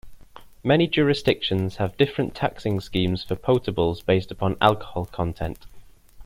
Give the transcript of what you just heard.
Many jurisdictions have different taxing schemes for potables based upon alcohol content.